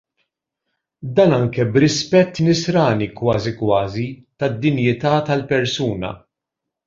Dan anke b'rispett nisrani kważi kważi, tad-dinjità tal-persuna.